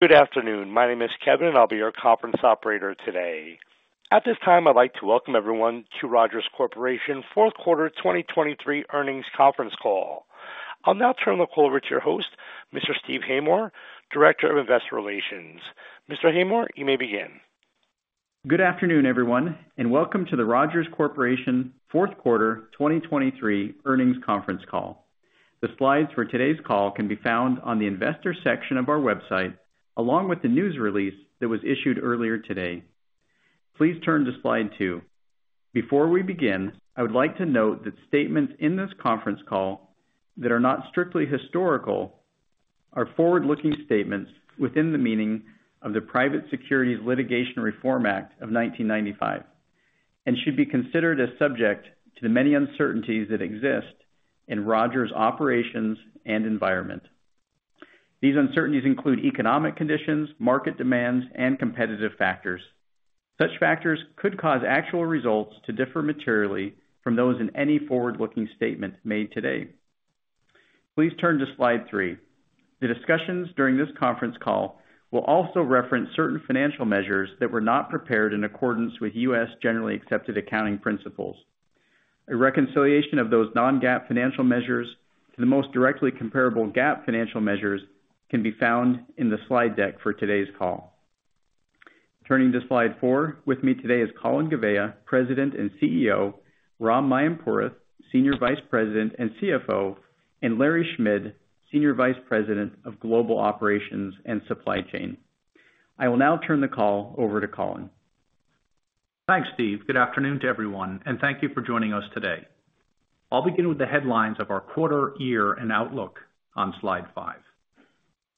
Good afternoon. My name is Kevin, and I'll be your conference operator today. At this time, I'd like to welcome everyone to Rogers Corporation Q4 2023 earnings conference call. I'll now turn the call over to your host, Mr. Steve Haymore, Director of Investor Relations. Mr. Haymore, you may begin. Good afternoon, everyone, and welcome to the Rogers Corporation Q4 2023 earnings conference call. The slides for today's call can be found on the Investor section of our website, along with the news release that was issued earlier today. Please turn to slide 2. Before we begin, I would like to note that statements in this conference call that are not strictly historical are forward-looking statements within the meaning of the Private Securities Litigation Reform Act of 1995 and should be considered as subject to the many uncertainties that exist in Rogers' operations and environment. These uncertainties include economic conditions, market demands, and competitive factors. Such factors could cause actual results to differ materially from those in any forward-looking statement made today. Please turn to slide 3. The discussions during this conference call will also reference certain financial measures that were not prepared in accordance with U.S. generally accepted accounting principles. A reconciliation of those non-GAAP financial measures to the most directly comparable GAAP financial measures can be found in the slide deck for today's call. Turning to slide 4. With me today is Colin Gouveia, President and CEO; Ram Mayampurath, Senior Vice President and CFO; and Larry Schmid, Senior Vice President of Global Operations and Supply Chain. I will now turn the call over to Colin. Thanks, Steve. Good afternoon to everyone, and thank you for joining us today. I'll begin with the headlines of our quarter, year, and outlook on slide 5.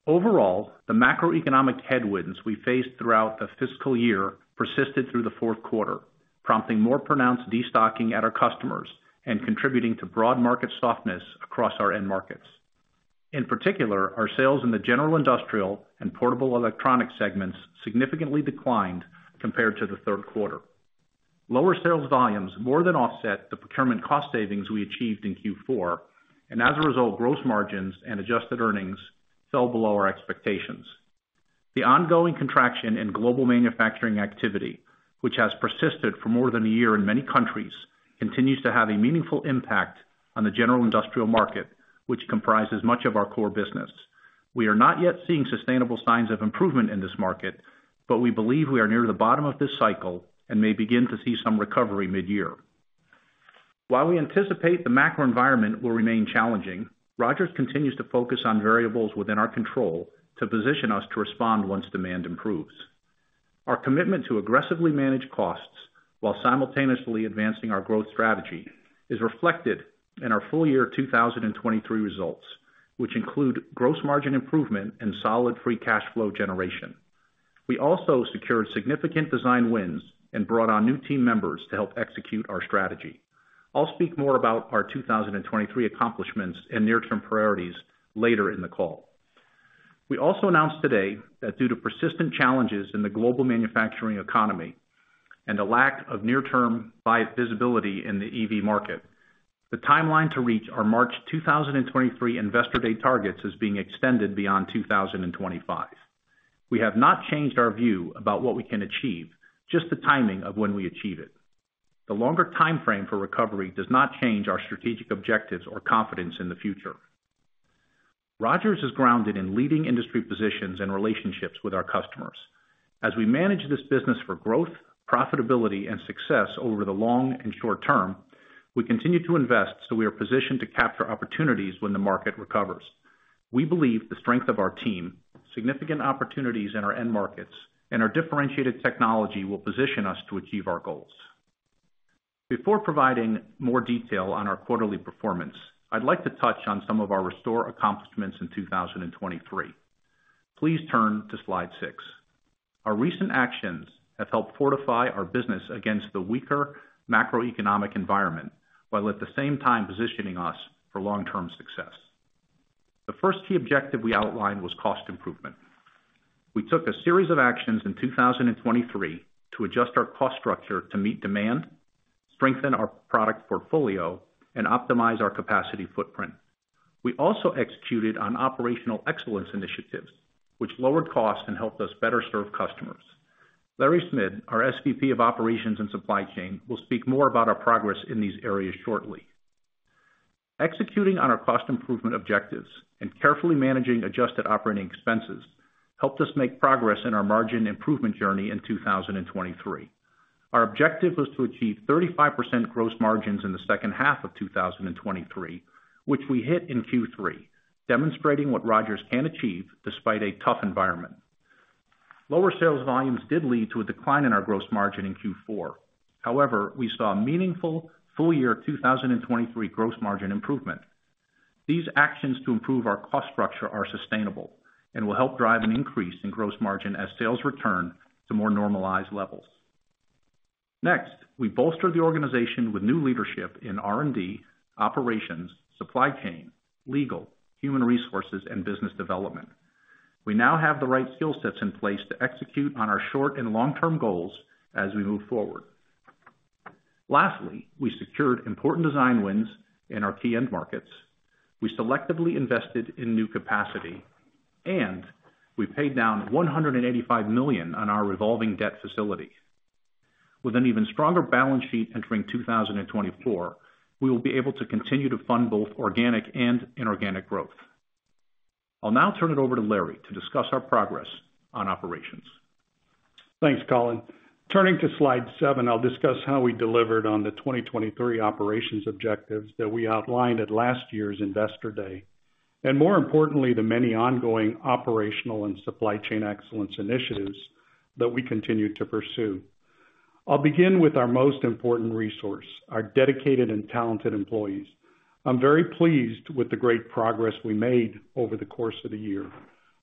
Overall, the macroeconomic headwinds we faced throughout the fiscal year persisted through the Q4, prompting more pronounced destocking at our customers and contributing to broad market softness across our end markets. In particular, our sales in the general industrial and portable electronics segments significantly declined compared to the Q3. Lower sales volumes more than offset the procurement cost savings we achieved in Q4, and as a result, gross margins and adjusted earnings fell below our expectations. The ongoing contraction in global manufacturing activity, which has persisted for more than a year in many countries, continues to have a meaningful impact on the general industrial market, which comprises much of our core business. We are not yet seeing sustainable signs of improvement in this market, but we believe we are near the bottom of this cycle and may begin to see some recovery mid-year. While we anticipate the macroenvironment will remain challenging, Rogers continues to focus on variables within our control to position us to respond once demand improves. Our commitment to aggressively manage costs while simultaneously advancing our growth strategy is reflected in our full year 2023 results, which include gross margin improvement and solid free cash flow generation. We also secured significant design wins and brought on new team members to help execute our strategy. I'll speak more about our 2023 accomplishments and near-term priorities later in the call. We also announced today that due to persistent challenges in the global manufacturing economy and a lack of near-term visibility in the EV market, the timeline to reach our March 2023 Investor Day targets is being extended beyond 2025. We have not changed our view about what we can achieve, just the timing of when we achieve it. The longer time frame for recovery does not change our strategic objectives or confidence in the future. Rogers is grounded in leading industry positions and relationships with our customers. As we manage this business for growth, profitability, and success over the long and short term, we continue to invest so we are positioned to capture opportunities when the market recovers. We believe the strength of our team, significant opportunities in our end markets, and our differentiated technology will position us to achieve our goals. Before providing more detail on our quarterly performance, I'd like to touch on some of our 2023 accomplishments in 2023. Please turn to slide 6. Our recent actions have helped fortify our business against the weaker macroeconomic environment while at the same time positioning us for long-term success. The first key objective we outlined was cost improvement. We took a series of actions in 2023 to adjust our cost structure to meet demand, strengthen our product portfolio, and optimize our capacity footprint. We also executed on operational excellence initiatives, which lowered costs and helped us better serve customers. Larry Schmid, our SVP of Operations and Supply Chain, will speak more about our progress in these areas shortly. Executing on our cost improvement objectives and carefully managing adjusted operating expenses helped us make progress in our margin improvement journey in 2023. Our objective was to achieve 35% gross margins in the second half of 2023, which we hit in Q3, demonstrating what Rogers can achieve despite a tough environment. Lower sales volumes did lead to a decline in our gross margin in Q4. However, we saw meaningful full year 2023 gross margin improvement. These actions to improve our cost structure are sustainable and will help drive an increase in gross margin as sales return to more normalized levels. Next, we bolstered the organization with new leadership in R&D, operations, supply chain, legal, human resources, and business development. We now have the right skill sets in place to execute on our short and long-term goals as we move forward. Lastly, we secured important design wins in our key end markets. We selectively invested in new capacity, and we paid down $185 million on our revolving debt facility. With an even stronger balance sheet entering 2024, we will be able to continue to fund both organic and inorganic growth. I'll now turn it over to Larry to discuss our progress on operations. Thanks, Colin. Turning to slide 7, I'll discuss how we delivered on the 2023 operations objectives that we outlined at last year's Investor Day and, more importantly, the many ongoing operational and supply chain excellence initiatives that we continue to pursue. I'll begin with our most important resource, our dedicated and talented employees. I'm very pleased with the great progress we made over the course of the year,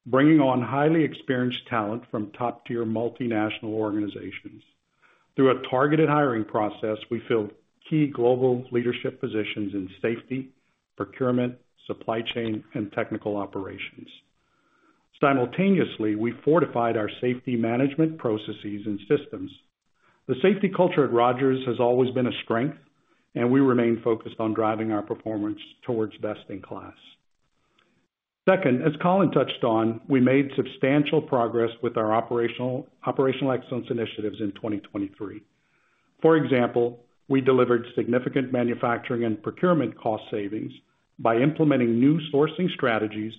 bringing on highly experienced talent from top-tier multinational organizations. Through a targeted hiring process, we filled key global leadership positions in safety, procurement, supply chain, and technical operations. Simultaneously, we fortified our safety management processes and systems. The safety culture at Rogers has always been a strength, and we remain focused on driving our performance towards best-in-class. Second, as Colin touched on, we made substantial progress with our operational excellence initiatives in 2023. For example, we delivered significant manufacturing and procurement cost savings by implementing new sourcing strategies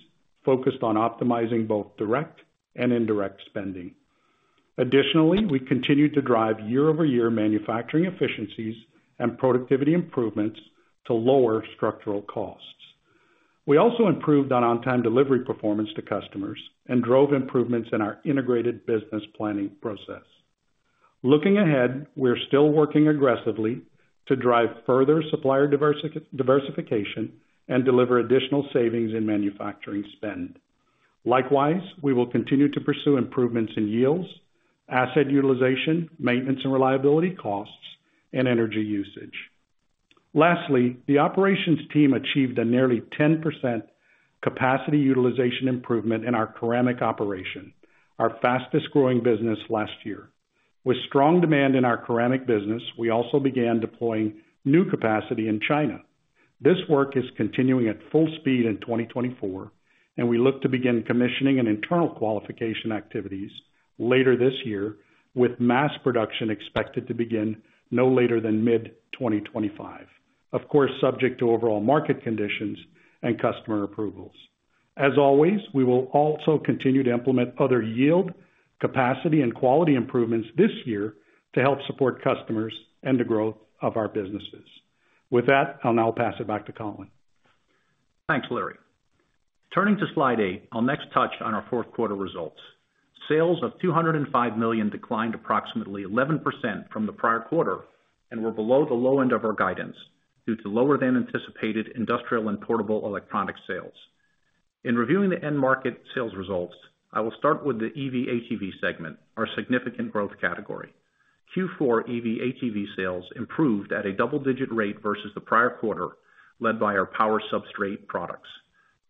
focused on optimizing both direct and indirect spending. Additionally, we continued to drive year-over-year manufacturing efficiencies and productivity improvements to lower structural costs. We also improved on-time delivery performance to customers and drove improvements in our integrated business planning process. Looking ahead, we're still working aggressively to drive further supplier diversification and deliver additional savings in manufacturing spend. Likewise, we will continue to pursue improvements in yields, asset utilization, maintenance and reliability costs, and energy usage. Lastly, the operations team achieved a nearly 10% capacity utilization improvement in our ceramic operation, our fastest growing business last year. With strong demand in our ceramic business, we also began deploying new capacity in China. This work is continuing at full speed in 2024, and we look to begin commissioning and internal qualification activities later this year, with mass production expected to begin no later than mid-2025, of course subject to overall market conditions and customer approvals. As always, we will also continue to implement other yield, capacity, and quality improvements this year to help support customers and the growth of our businesses. With that, I'll now pass it back to Colin. Thanks, Larry. Turning to slide 8, I'll next touch on our Q4 results. Sales of $205 million declined approximately 11% from the prior quarter and were below the low end of our guidance due to lower-than-anticipated industrial and portable electronics sales. In reviewing the end market sales results, I will start with the EV/HEV segment, our significant growth category. Q4 EV/HEV sales improved at a double-digit rate versus the prior quarter led by our power substrate products.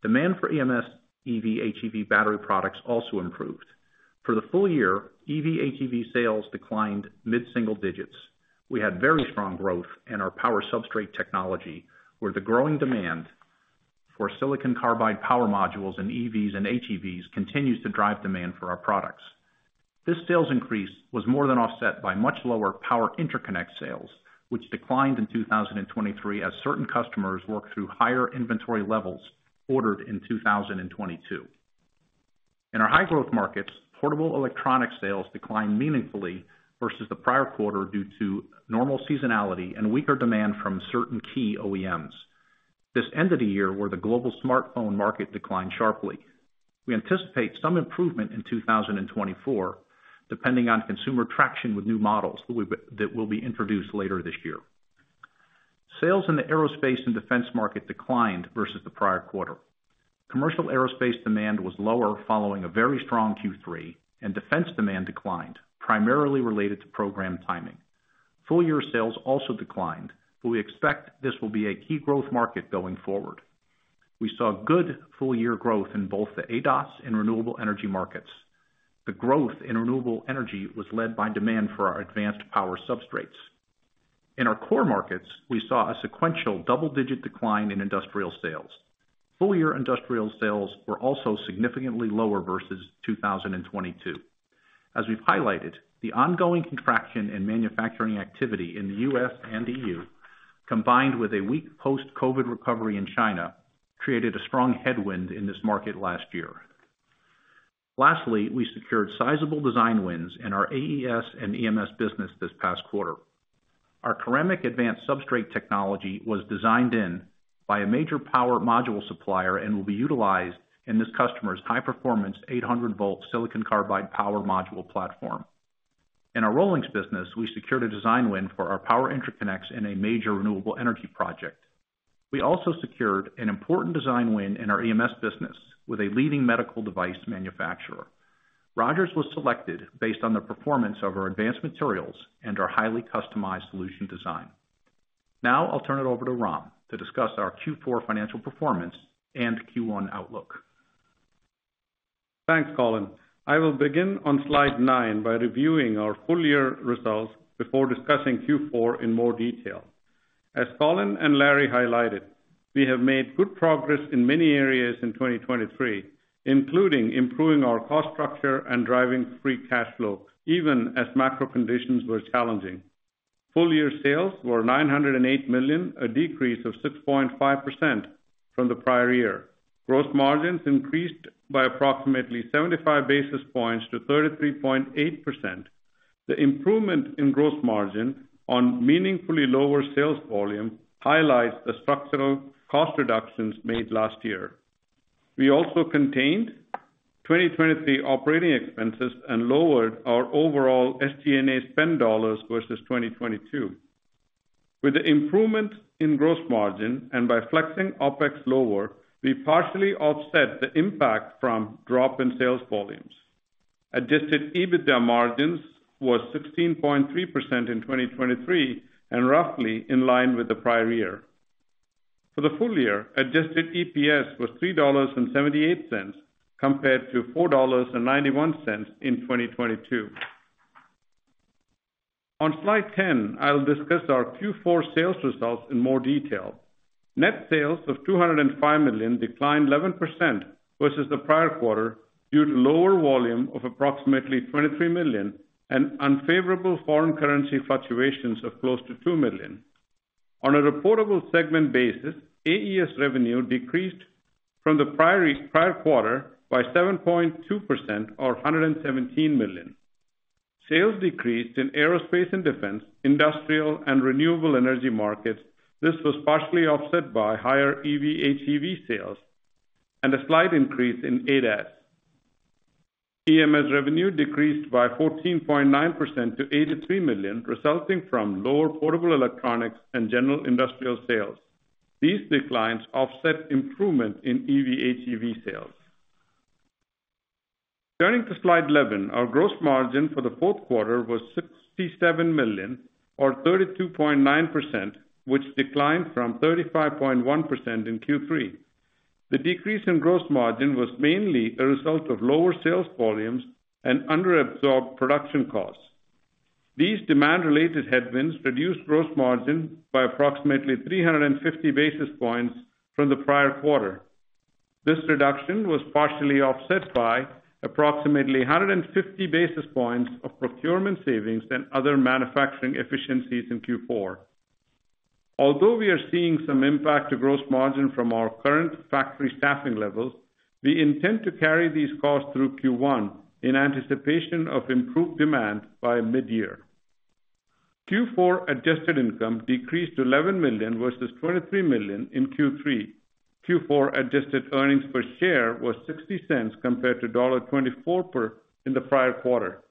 Demand for EMS/EV/HEV battery products also improved. For the full year, EV/HEV sales declined mid-single digits. We had very strong growth in our power substrate technology, where the growing demand for silicon carbide power modules in EVs and HEVs continues to drive demand for our products. This sales increase was more than offset by much lower power interconnect sales, which declined in 2023 as certain customers worked through higher inventory levels ordered in 2022. In our high-growth markets, portable electronics sales declined meaningfully versus the prior quarter due to normal seasonality and weaker demand from certain key OEMs. This ended a year where the global smartphone market declined sharply. We anticipate some improvement in 2024 depending on consumer traction with new models that will be introduced later this year. Sales in the aerospace and defense market declined versus the prior quarter. Commercial aerospace demand was lower following a very strong Q3, and defense demand declined, primarily related to program timing. Full-year sales also declined, but we expect this will be a key growth market going forward. We saw good full-year growth in both the ADAS and renewable energy markets. The growth in renewable energy was led by demand for our advanced power substrates. In our core markets, we saw a sequential double-digit decline in industrial sales. Full-year industrial sales were also significantly lower versus 2022. As we've highlighted, the ongoing contraction in manufacturing activity in the U.S. and E.U., combined with a weak post-COVID recovery in China, created a strong headwind in this market last year. Lastly, we secured sizable design wins in our AES and EMS business this past quarter. Our ceramic advanced substrate technology was designed in by a major power module supplier and will be utilized in this customer's high-performance 800-volt silicon carbide power module platform. In our ROLINX business, we secured a design win for our power interconnects in a major renewable energy project. We also secured an important design win in our EMS business with a leading medical device manufacturer. Rogers was selected based on the performance of our advanced materials and our highly customized solution design. Now I'll turn it over to Ram to discuss our Q4 financial performance and Q1 outlook. Thanks, Colin. I will begin on slide 9 by reviewing our full-year results before discussing Q4 in more detail. As Colin and Larry highlighted, we have made good progress in many areas in 2023, including improving our cost structure and driving free cash flow even as macro conditions were challenging. Full-year sales were $908 million, a decrease of 6.5% from the prior year. Gross margins increased by approximately 75 basis points to 33.8%. The improvement in gross margin on meaningfully lower sales volume highlights the structural cost reductions made last year. We also contained 2023 operating expenses and lowered our overall SG&A spend dollars versus 2022. With the improvement in gross margin and by flexing OPEX lower, we partially offset the impact from drop in sales volumes. Adjusted EBITDA margins were 16.3% in 2023 and roughly in line with the prior year. For the full year, adjusted EPS was $3.78 compared to $4.91 in 2022. On slide 10, I'll discuss our Q4 sales results in more detail. Net sales of $205 million declined 11% versus the prior quarter due to lower volume of approximately $23 million and unfavorable foreign currency fluctuations of close to $2 million. On a reportable segment basis, AES revenue decreased from the prior quarter by 7.2% or $117 million. Sales decreased in aerospace and defense, industrial, and renewable energy markets. This was partially offset by higher EV/HEV sales and a slight increase in ADAS. EMS revenue decreased by 14.9% to $83 million, resulting from lower portable electronics and general industrial sales. These declines offset improvement in EV/HEV sales. Turning to slide 11, our gross margin for the Q4 was $67 million or 32.9%, which declined from 35.1% in Q3. The decrease in gross margin was mainly a result of lower sales volumes and underabsorbed production costs. These demand-related headwinds reduced gross margin by approximately 350 basis points from the prior quarter. This reduction was partially offset by approximately 150 basis points of procurement savings and other manufacturing efficiencies in Q4. Although we are seeing some impact to gross margin from our current factory staffing levels, we intend to carry these costs through Q1 in anticipation of improved demand by mid-year. Q4 adjusted income decreased to $11 million versus $23 million in Q3. Q4 adjusted earnings per share was $0.60 compared to $1.24 in the prior quarter.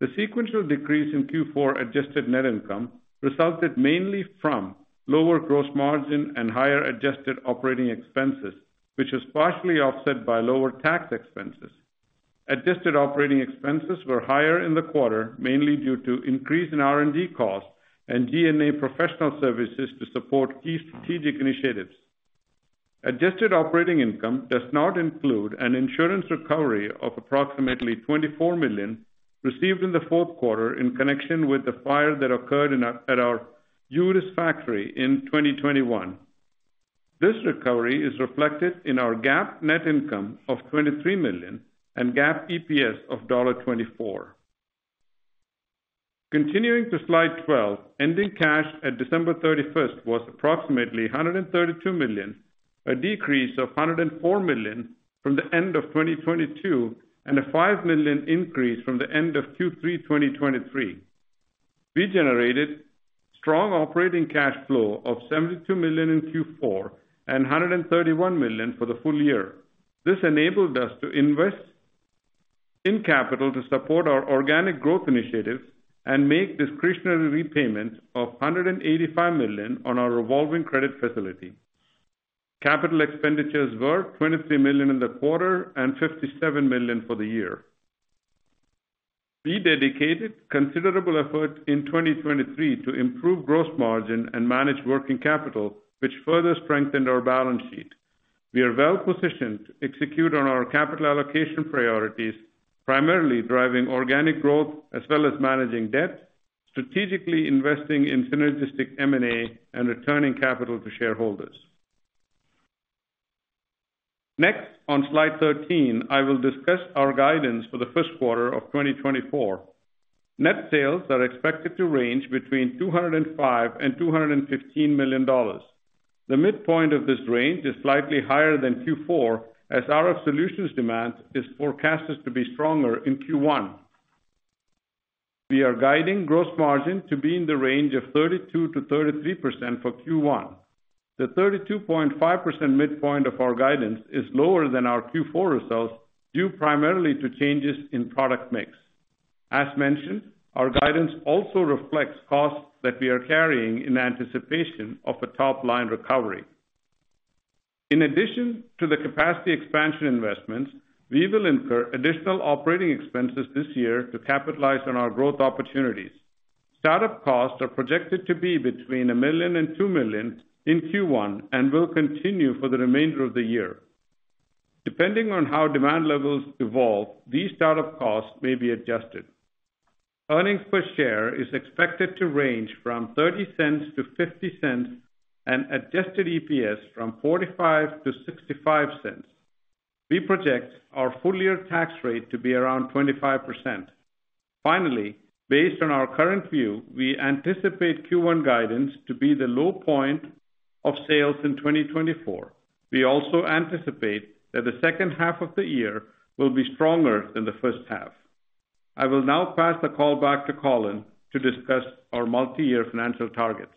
The sequential decrease in Q4 adjusted net income resulted mainly from lower gross margin and higher adjusted operating expenses, which was partially offset by lower tax expenses. Adjusted operating expenses were higher in the quarter, mainly due to increase in R&D costs and G&A professional services to support key strategic initiatives. Adjusted operating income does not include an insurance recovery of approximately $24 million received in the Q4 in connection with the fire that occurred at our Utis factory in 2021. This recovery is reflected in our GAAP net income of $23 million and GAAP EPS of $1.24. Continuing to Slide 12, ending cash at December 31st was approximately $132 million, a decrease of $104 million from the end of 2022 and a $5 million increase from the end of Q3 2023. We generated strong operating cash flow of $72 million in Q4 and $131 million for the full year. This enabled us to invest in capital to support our organic growth initiatives and make discretionary repayments of $185 million on our revolving credit facility. Capital expenditures were $23 million in the quarter and $57 million for the year. We dedicated considerable effort in 2023 to improve gross margin and manage working capital, which further strengthened our balance sheet. We are well positioned to execute on our capital allocation priorities, primarily driving organic growth as well as managing debt, strategically investing in synergistic M&A, and returning capital to shareholders. Next, on slide 13, I will discuss our guidance for the Q1 of 2024. Net sales are expected to range between $205-$215 million. The midpoint of this range is slightly higher than Q4 as RF Solutions' demand is forecasted to be stronger in Q1. We are guiding gross margin to be in the range of 32%-33% for Q1. The 32.5% midpoint of our guidance is lower than our Q4 results due primarily to changes in product mix. As mentioned, our guidance also reflects costs that we are carrying in anticipation of a top-line recovery. In addition to the capacity expansion investments, we will incur additional operating expenses this year to capitalize on our growth opportunities. Startup costs are projected to be between $1 million and $2 million in Q1 and will continue for the remainder of the year. Depending on how demand levels evolve, these startup costs may be adjusted. Earnings per share is expected to range from $0.30-$0.50 and adjusted EPS from $0.45-$0.65. We project our full-year tax rate to be around 25%. Finally, based on our current view, we anticipate Q1 guidance to be the low point of sales in 2024. We also anticipate that the second half of the year will be stronger than the first half. I will now pass the call back to Colin to discuss our multi-year financial targets.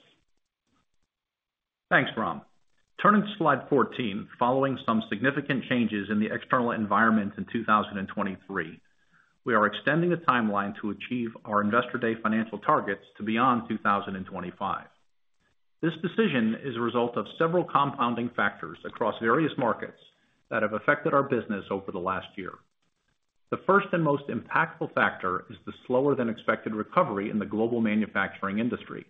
Thanks, Ram. Turning to slide 14, following some significant changes in the external environment in 2023, we are extending the timeline to achieve our Investor Day financial targets to beyond 2025. This decision is a result of several compounding factors across various markets that have affected our business over the last year. The first and most impactful factor is the slower-than-expected recovery in the global manufacturing industry.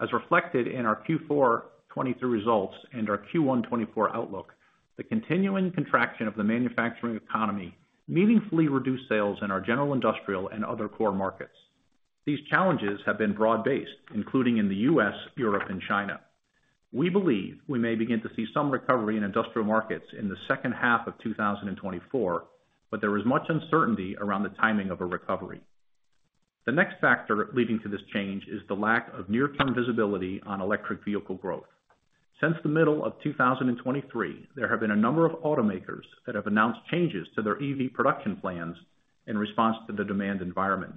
As reflected in our Q4 2023 results and our Q1 2024 outlook, the continuing contraction of the manufacturing economy meaningfully reduced sales in our general industrial and other core markets. These challenges have been broad-based, including in the U.S., Europe, and China. We believe we may begin to see some recovery in industrial markets in the second half of 2024, but there is much uncertainty around the timing of a recovery. The next factor leading to this change is the lack of near-term visibility on electric vehicle growth. Since the middle of 2023, there have been a number of automakers that have announced changes to their EV production plans in response to the demand environment.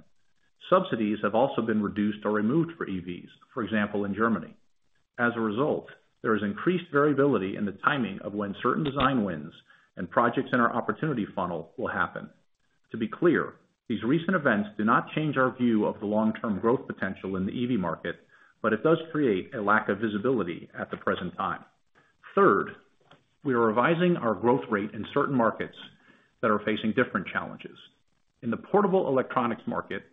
Subsidies have also been reduced or removed for EVs, for example, in Germany. As a result, there is increased variability in the timing of when certain design wins and projects in our opportunity funnel will happen. To be clear, these recent events do not change our view of the long-term growth potential in the EV market, but it does create a lack of visibility at the present time. Third, we are revising our growth rate in certain markets that are facing different challenges. In the portable electronics market,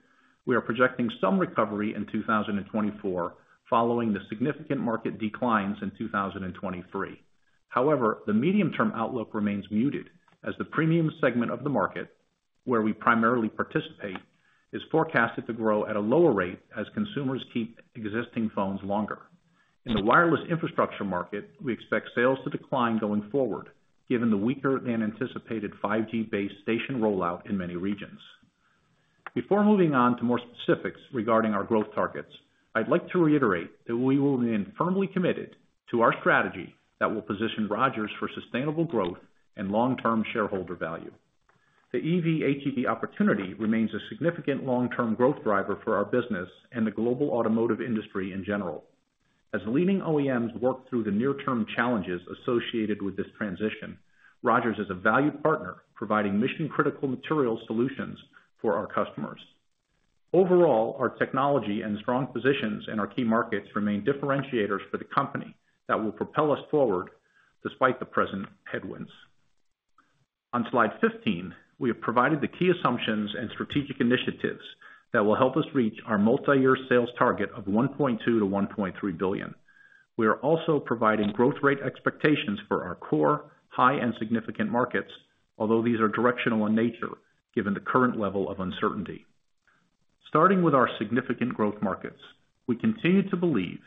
we are projecting some recovery in 2024 following the significant market declines in 2023. However, the medium-term outlook remains muted as the premium segment of the market, where we primarily participate, is forecasted to grow at a lower rate as consumers keep existing phones longer. In the wireless infrastructure market, we expect sales to decline going forward given the weaker-than-anticipated 5G base station rollout in many regions. Before moving on to more specifics regarding our growth targets, I'd like to reiterate that we will remain firmly committed to our strategy that will position Rogers for sustainable growth and long-term shareholder value. The EV/HEV opportunity remains a significant long-term growth driver for our business and the global automotive industry in general. As leading OEMs work through the near-term challenges associated with this transition, Rogers is a valued partner providing mission-critical materials solutions for our customers. Overall, our technology and strong positions in our key markets remain differentiators for the company that will propel us forward despite the present headwinds. On slide 15, we have provided the key assumptions and strategic initiatives that will help us reach our multi-year sales target of $1.2-$1.3 billion. We are also providing growth rate expectations for our core, high, and significant markets, although these are directional in nature given the current level of uncertainty. Starting with our significant growth markets, we continue to believe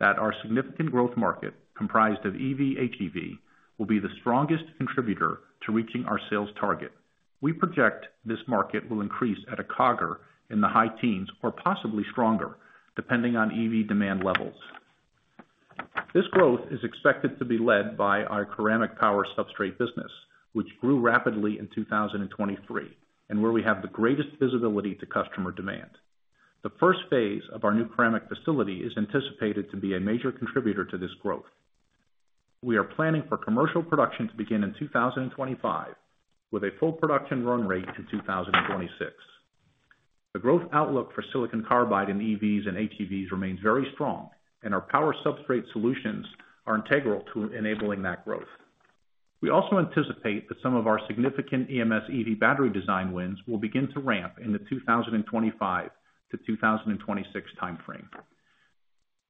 that our significant growth market, comprised of EV/HEV, will be the strongest contributor to reaching our sales target. We project this market will increase at a CAGR in the high teens or possibly stronger, depending on EV demand levels. This growth is expected to be led by our ceramic power substrate business, which grew rapidly in 2023 and where we have the greatest visibility to customer demand. The first phase of our new ceramic facility is anticipated to be a major contributor to this growth. We are planning for commercial production to begin in 2025 with a full production run rate in 2026. The growth outlook for silicon carbide in EVs and HEVs remains very strong, and our power substrate solutions are integral to enabling that growth. We also anticipate that some of our significant EMS/EV battery design wins will begin to ramp in the 2025 to 2026 timeframe.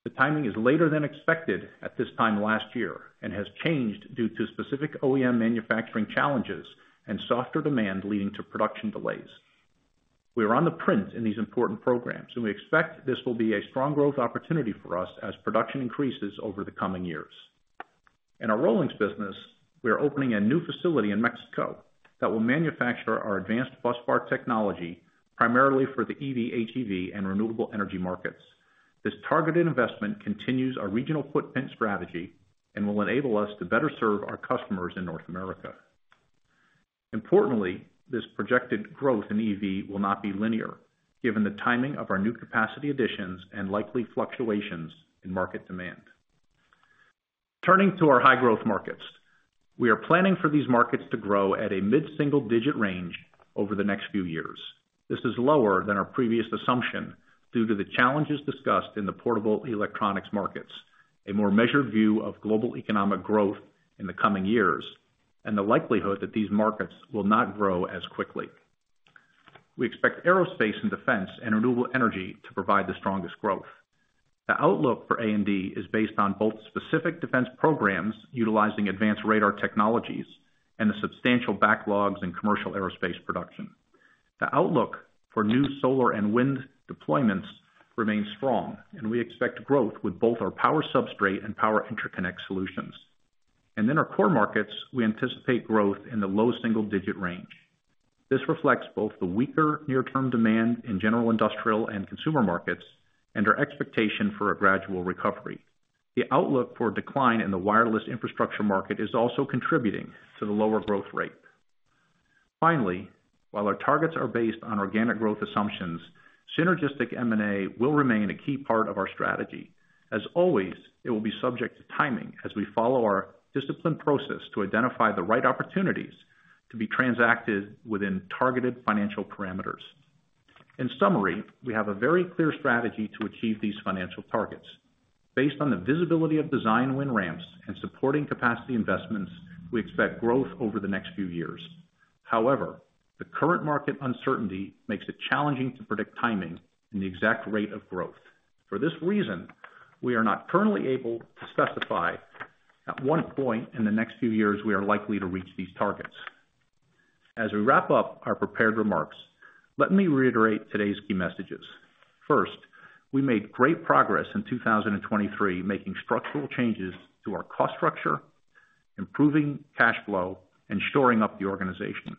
The timing is later than expected at this time last year and has changed due to specific OEM manufacturing challenges and softer demand leading to production delays. We are on the ramp in these important programs, and we expect this will be a strong growth opportunity for us as production increases over the coming years. In our ROLINX business, we are opening a new facility in Mexico that will manufacture our advanced busbar technology primarily for the EV/HEV and renewable energy markets. This targeted investment continues our regional footprint strategy and will enable us to better serve our customers in North America. Importantly, this projected growth in EV will not be linear given the timing of our new capacity additions and likely fluctuations in market demand. Turning to our high-growth markets, we are planning for these markets to grow at a mid-single-digit range over the next few years. This is lower than our previous assumption due to the challenges discussed in the portable electronics markets, a more measured view of global economic growth in the coming years, and the likelihood that these markets will not grow as quickly. We expect aerospace and defense and renewable energy to provide the strongest growth. The outlook for A&D is based on both specific defense programs utilizing advanced radar technologies and the substantial backlogs in commercial aerospace production. The outlook for new solar and wind deployments remains strong, and we expect growth with both our power substrate and power interconnect solutions. In our core markets, we anticipate growth in the low single-digit range. This reflects both the weaker near-term demand in general industrial and consumer markets and our expectation for a gradual recovery. The outlook for a decline in the wireless infrastructure market is also contributing to the lower growth rate. Finally, while our targets are based on organic growth assumptions, synergistic M&A will remain a key part of our strategy. As always, it will be subject to timing as we follow our disciplined process to identify the right opportunities to be transacted within targeted financial parameters. In summary, we have a very clear strategy to achieve these financial targets. Based on the visibility of design win ramps and supporting capacity investments, we expect growth over the next few years. However, the current market uncertainty makes it challenging to predict timing and the exact rate of growth. For this reason, we are not currently able to specify at what point in the next few years we are likely to reach these targets. As we wrap up our prepared remarks, let me reiterate today's key messages. First, we made great progress in 2023 making structural changes to our cost structure, improving cash flow, and shoring up the organization.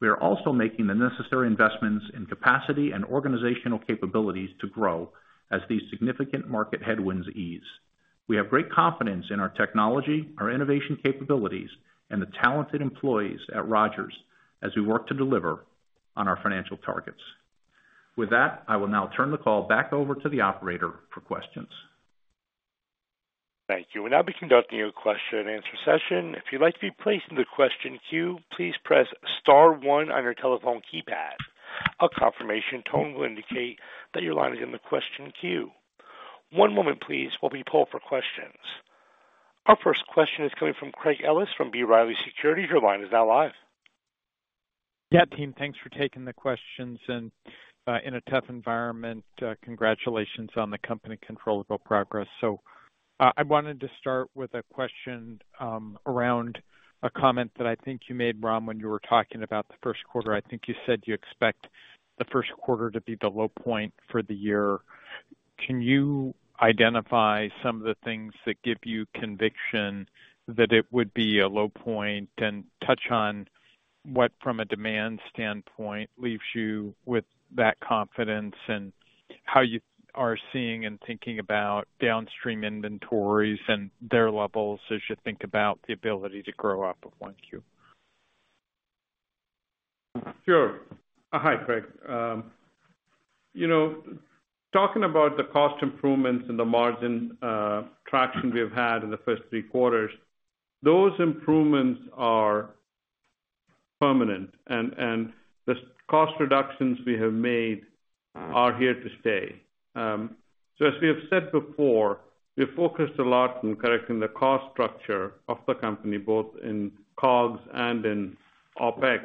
We are also making the necessary investments in capacity and organizational capabilities to grow as these significant market headwinds ease. We have great confidence in our technology, our innovation capabilities, and the talented employees at Rogers as we work to deliver on our financial targets. With that, I will now turn the call back over to the operator for questions. Thank you. We're now conducting a question-and-answer session. If you'd like to be placed in the question queue, please press star one on your telephone keypad. A confirmation tone will indicate that your line is in the question queue. One moment, please. We'll be pulling for questions. Our first question is coming from Craig Ellis from B. Riley Securities. Your line is now live. Yeah, team. Thanks for taking the questions. In a tough environment, congratulations on the company controllable progress. I wanted to start with a question around a comment that I think you made, Ram, when you were talking about the Q1. I think you said you expect the Q1 to be the low point for the year. Can you identify some of the things that give you conviction that it would be a low point and touch on what, from a demand standpoint, leaves you with that confidence and how you are seeing and thinking about downstream inventories and their levels as you think about the ability to grow up of 1Q? Sure. Hi, Craig. Talking about the cost improvements and the margin traction we have had in the first three quarters, those improvements are permanent. And the cost reductions we have made are here to stay. So as we have said before, we have focused a lot on correcting the cost structure of the company, both in COGS and in OPEX.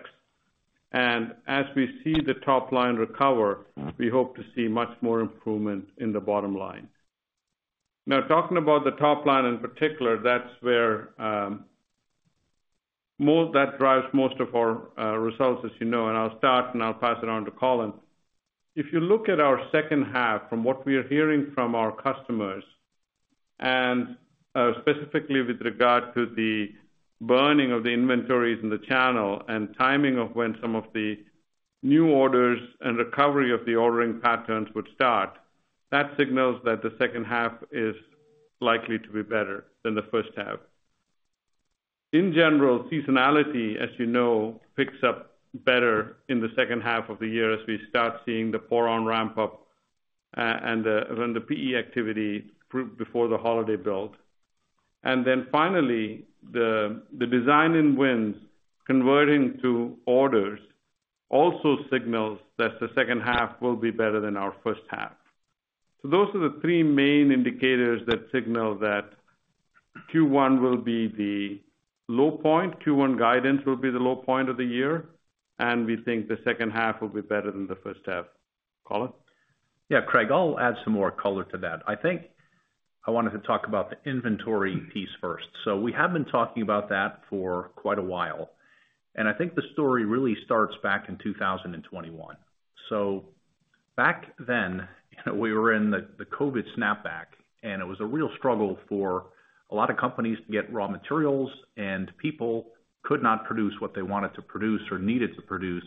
And as we see the top line recover, we hope to see much more improvement in the bottom line. Now, talking about the top line in particular, that's where that drives most of our results, as you know. And I'll start, and I'll pass it on to Colin. If you look at our second half from what we are hearing from our customers, and specifically with regard to the burning of the inventories in the channel and timing of when some of the new orders and recovery of the ordering patterns would start, that signals that the second half is likely to be better than the first half. In general, seasonality, as you know, picks up better in the second half of the year as we start seeing the PORON ramp-up and the PE activity before the holiday build. And then finally, the design-in-wins converting to orders also signals that the second half will be better than our first half. So those are the three main indicators that signal that Q1 will be the low point. Q1 guidance will be the low point of the year, and we think the second half will be better than the first half. Colin? Yeah, Craig. I'll add some more color to that. I think I wanted to talk about the inventory piece first. So we have been talking about that for quite a while. And I think the story really starts back in 2021. So back then, we were in the COVID snapback, and it was a real struggle for a lot of companies to get raw materials, and people could not produce what they wanted to produce or needed to produce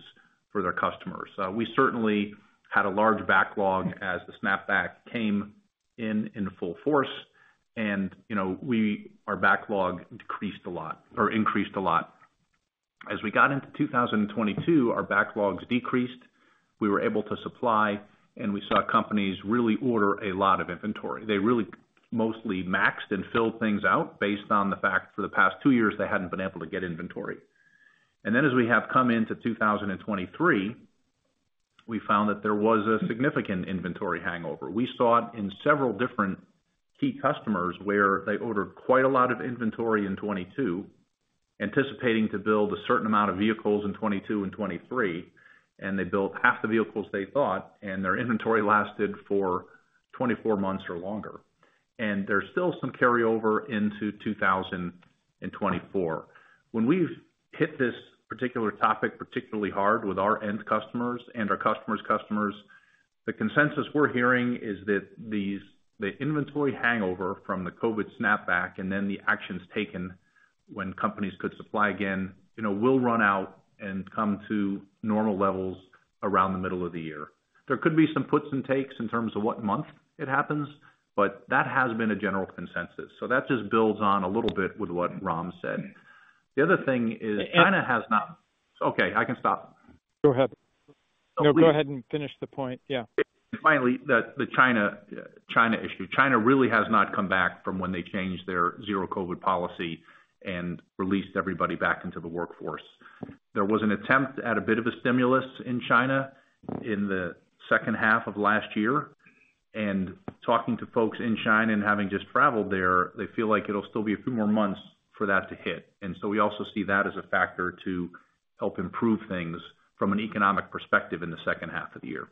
for their customers. We certainly had a large backlog as the snapback came in in full force, and our backlog decreased a lot or increased a lot. As we got into 2022, our backlogs decreased. We were able to supply, and we saw companies really order a lot of inventory. They really mostly maxed and filled things out based on the fact for the past two years, they hadn't been able to get inventory. Then as we have come into 2023, we found that there was a significant inventory hangover. We saw it in several different key customers where they ordered quite a lot of inventory in 2022, anticipating to build a certain amount of vehicles in 2022 and 2023. They built half the vehicles they thought, and their inventory lasted for 24 months or longer. There's still some carryover into 2024. When we've hit this particular topic particularly hard with our end customers and our customers' customers, the consensus we're hearing is that the inventory hangover from the COVID snapback and then the actions taken when companies could supply again will run out and come to normal levels around the middle of the year. There could be some puts and takes in terms of what month it happens, but that has been a general consensus. So that just builds on a little bit with what Ram said. The other thing is China has not, okay, I can stop. Go ahead. No, go ahead and finish the point. Yeah. Finally, the China issue. China really has not come back from when they changed their zero-COVID policy and released everybody back into the workforce. There was an attempt at a bit of a stimulus in China in the second half of last year. And talking to folks in China and having just traveled there, they feel like it'll still be a few more months for that to hit. And so we also see that as a factor to help improve things from an economic perspective in the second half of the year.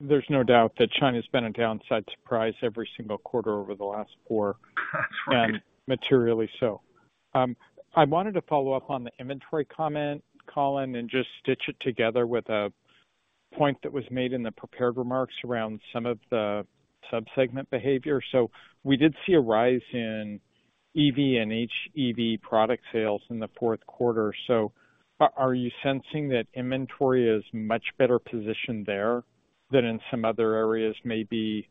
There's no doubt that China's been a downside surprise every single quarter over the last four. That's right. Materially so. I wanted to follow up on the inventory comment, Colin, and just stitch it together with a point that was made in the prepared remarks around some of the subsegment behavior. We did see a rise in EV and HEV product sales in the Q4. Are you sensing that inventory is much better positioned there than in some other areas, maybe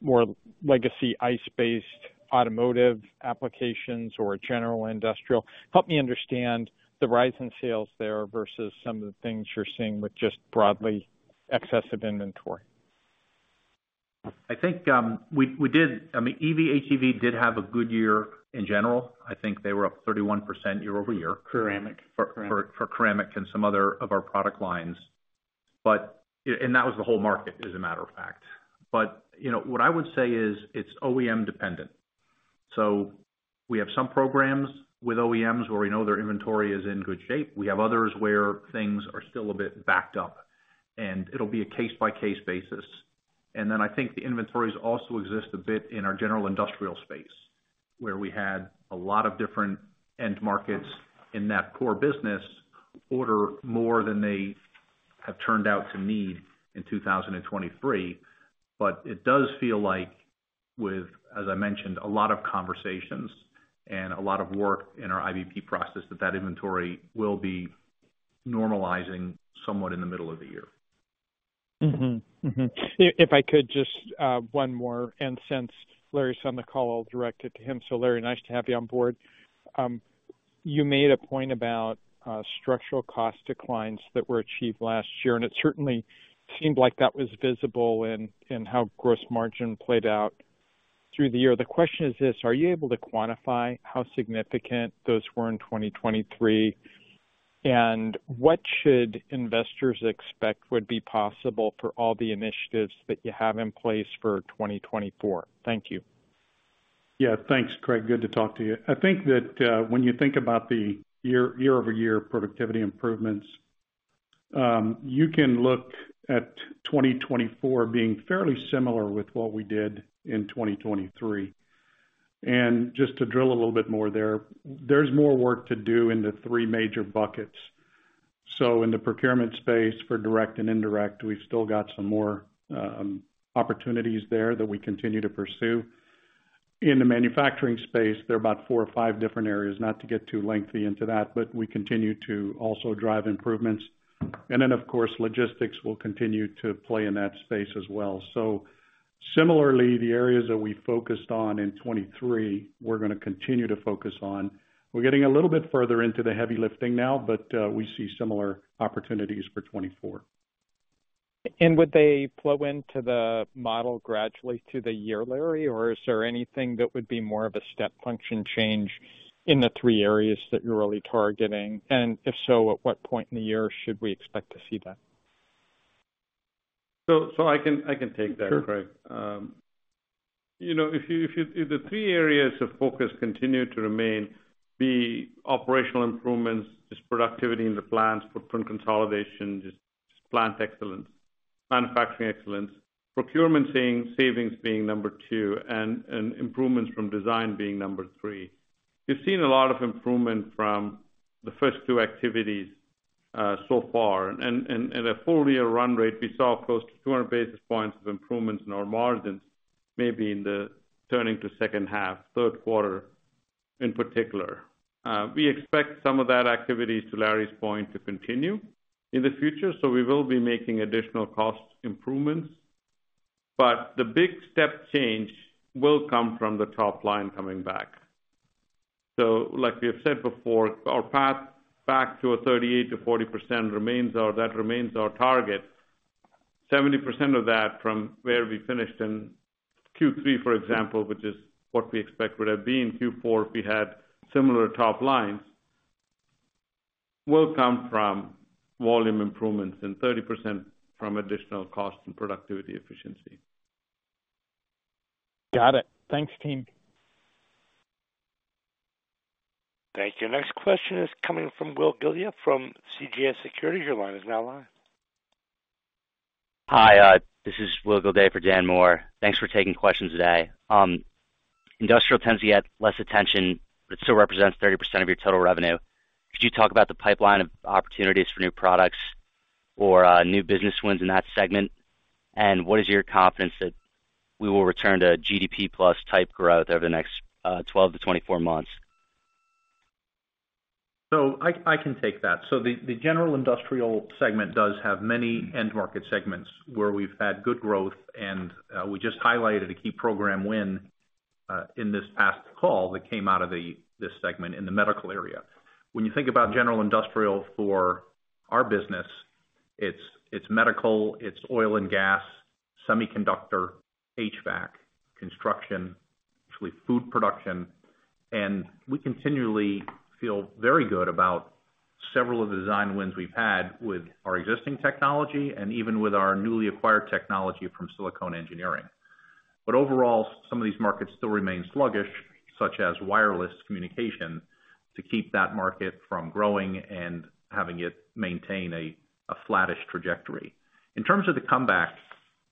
more legacy ICE-based automotive applications or general industrial? Help me understand the rise in sales there versus some of the things you're seeing with just broadly excessive inventory? I think we did, I mean, EV/HEV did have a good year in general. I think they were up 31% year-over-year. Ceramic. For ceramic and some other of our product lines. That was the whole market, as a matter of fact. What I would say is it's OEM-dependent. We have some programs with OEMs where we know their inventory is in good shape. We have others where things are still a bit backed up. It'll be a case-by-case basis. Then I think the inventories also exist a bit in our general industrial space where we had a lot of different end markets in that core business order more than they have turned out to need in 2023. It does feel like with, as I mentioned, a lot of conversations and a lot of work in our IBP process that that inventory will be normalizing somewhat in the middle of the year. If I could, just one more. Since Larry's on the call, I'll direct it to him. Larry, nice to have you on board. You made a point about structural cost declines that were achieved last year, and it certainly seemed like that was visible in how gross margin played out through the year. The question is this: are you able to quantify how significant those were in 2023, and what should investors expect would be possible for all the initiatives that you have in place for 2024? Thank you. Yeah, thanks, Craig. Good to talk to you. I think that when you think about the year-over-year productivity improvements, you can look at 2024 being fairly similar with what we did in 2023. And just to drill a little bit more there, there's more work to do in the three major buckets. So in the procurement space for direct and indirect, we've still got some more opportunities there that we continue to pursue. In the manufacturing space, there are about four or five different areas, not to get too lengthy into that, but we continue to also drive improvements. And then, of course, logistics will continue to play in that space as well. So similarly, the areas that we focused on in 2023, we're going to continue to focus on. We're getting a little bit further into the heavy lifting now, but we see similar opportunities for 2024. And would they flow into the model gradually through the year, Larry, or is there anything that would be more of a step function change in the three areas that you're really targeting? And if so, at what point in the year should we expect to see that? So I can take that, Craig. If the three areas of focus continue to remain be operational improvements, just productivity in the plants, footprint consolidation, just plant excellence, manufacturing excellence, procurement savings being number two, and improvements from design being number three. We've seen a lot of improvement from the first two activities so far. At a full-year run rate, we saw close to 200 basis points of improvements in our margins, maybe in the turning to second half, Q3 in particular. We expect some of that activities, to Larry's point, to continue in the future. So we will be making additional cost improvements. But the big step change will come from the top line coming back. So like we have said before, our path back to a 38%-40% remains our that remains our target. 70% of that from where we finished in Q3, for example, which is what we expect would have been Q4 if we had similar top lines, will come from volume improvements and 30% from additional cost and productivity efficiency. Got it. Thanks, team. Thank you. Next question is coming from Will Gildea from CJS Securities. Your line is now live. Hi. This is Will Gildea for Dan Moore. Thanks for taking questions today. Industrial tends to get less attention, but it still represents 30% of your total revenue. Could you talk about the pipeline of opportunities for new products or new business wins in that segment? And what is your confidence that we will return to GDP-plus type growth over the next 12-24 months? So I can take that. So the general industrial segment does have many end market segments where we've had good growth. And we just highlighted a key program win in this past call that came out of this segment in the medical area. When you think about general industrial for our business, it's medical, it's oil and gas, semiconductor, HVAC, construction, actually food production. And we continually feel very good about several of the design wins we've had with our existing technology and even with our newly acquired technology from Silicone Engineering. But overall, some of these markets still remain sluggish, such as wireless communication, to keep that market from growing and having it maintain a flattish trajectory. In terms of the comeback,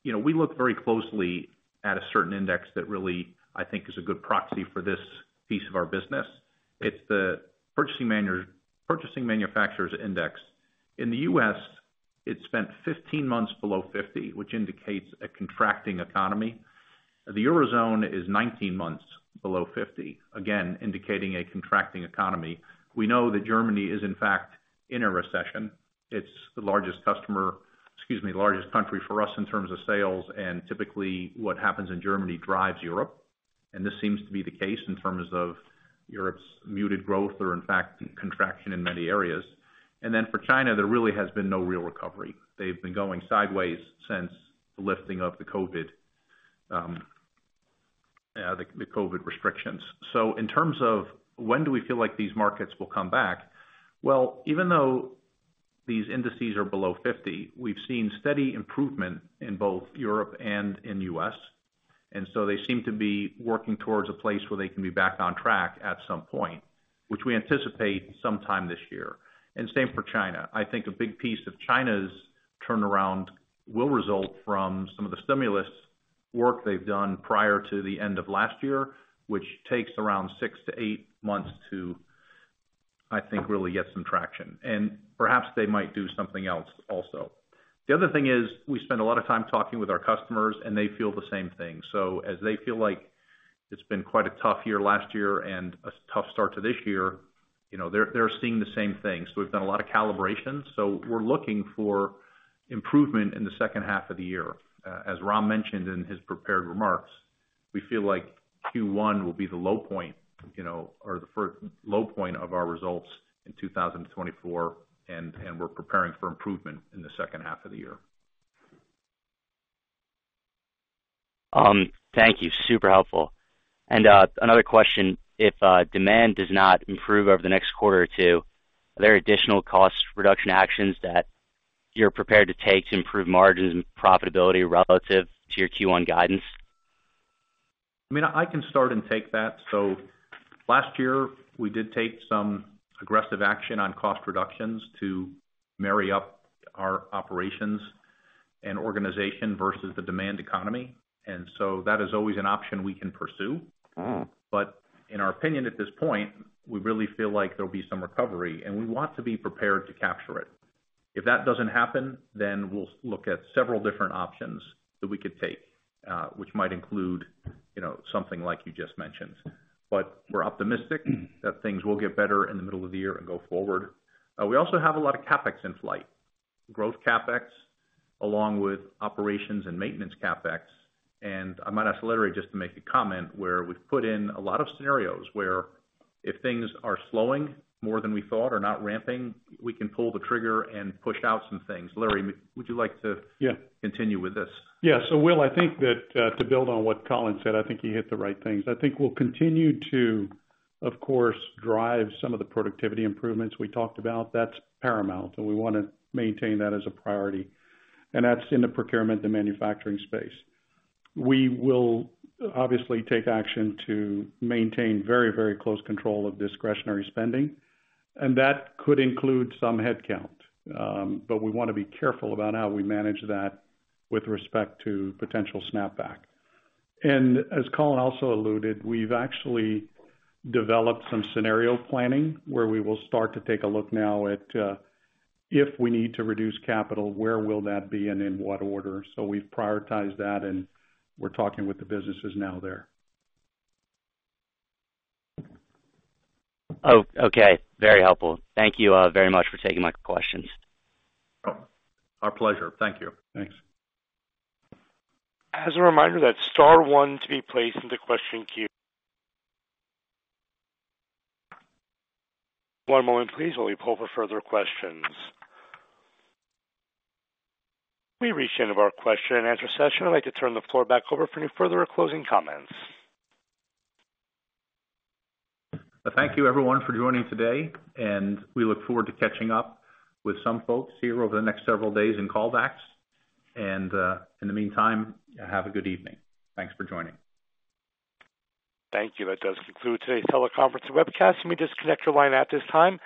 we look very closely at a certain index that really, I think, is a good proxy for this piece of our business. It's the Purchasing Managers' Index. In the U.S., it spent 15 months below 50, which indicates a contracting economy. The eurozone is 19 months below 50, again, indicating a contracting economy. We know that Germany is, in fact, in a recession. It's the largest customer excuse me, the largest country for us in terms of sales. Typically, what happens in Germany drives Europe. This seems to be the case in terms of Europe's muted growth or, in fact, contraction in many areas. Then for China, there really has been no real recovery. They've been going sideways since the lifting of the COVID restrictions. In terms of when do we feel like these markets will come back? Well, even though these indices are below 50, we've seen steady improvement in both Europe and in the U.S. They seem to be working towards a place where they can be back on track at some point, which we anticipate sometime this year. Same for China. I think a big piece of China's turnaround will result from some of the stimulus work they've done prior to the end of last year, which takes around 6-8 months to, I think, really get some traction. Perhaps they might do something else also. The other thing is we spend a lot of time talking with our customers, and they feel the same thing. As they feel like it's been quite a tough year last year and a tough start to this year, they're seeing the same thing. We've done a lot of calibrations. We're looking for improvement in the second half of the year. As Ram mentioned in his prepared remarks, we feel like Q1 will be the low point or the first low point of our results in 2024, and we're preparing for improvement in the second half of the year. Thank you. Super helpful. Another question: if demand does not improve over the next quarter or two, are there additional cost reduction actions that you're prepared to take to improve margins and profitability relative to your Q1 guidance? I mean, I can start and take that. So last year, we did take some aggressive action on cost reductions to marry up our operations and organization versus the demand economy. And so that is always an option we can pursue. But in our opinion, at this point, we really feel like there'll be some recovery, and we want to be prepared to capture it. If that doesn't happen, then we'll look at several different options that we could take, which might include something like you just mentioned. But we're optimistic that things will get better in the middle of the year and go forward. We also have a lot of CapEx in flight, growth CapEx along with operations and maintenance CapEx. I might ask Larry, just to make a comment, where we've put in a lot of scenarios where if things are slowing more than we thought or not ramping, we can pull the trigger and push out some things. Larry, would you like to continue with this? Yeah. So Will, I think that to build on what Colin said, I think he hit the right things. I think we'll continue to, of course, drive some of the productivity improvements we talked about. That's paramount. And we want to maintain that as a priority. And that's in the procurement and manufacturing space. We will obviously take action to maintain very, very close control of discretionary spending. And that could include some headcount. But we want to be careful about how we manage that with respect to potential snapback. And as Colin also alluded, we've actually developed some scenario planning where we will start to take a look now at if we need to reduce capital, where will that be, and in what order. So we've prioritized that, and we're talking with the businesses now there. Okay. Very helpful. Thank you very much for taking my questions. Our pleasure. Thank you. Thanks. As a reminder, that star one to be placed in the question queue. One moment, please, while we poll for further questions. We reached the end of our question and answer session. I'd like to turn the floor back over for any further or closing comments. Thank you, everyone, for joining today. We look forward to catching up with some folks here over the next several days in callbacks. In the meantime, have a good evening. Thanks for joining. Thank you. That does conclude today's teleconference webcast. You may disconnect your line at this time.